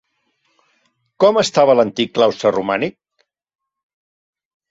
Com estava l'antic claustre romànic?